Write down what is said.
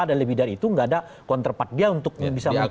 dan lebih dari itu nggak ada counterpart dia untuk bisa challenge